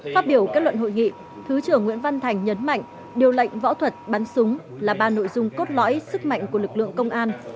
phát biểu kết luận hội nghị thứ trưởng nguyễn văn thành nhấn mạnh điều lệnh võ thuật bắn súng là ba nội dung cốt lõi sức mạnh của lực lượng công an